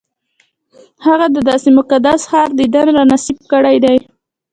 هغه د داسې مقدس ښار دیدن را نصیب کړی دی.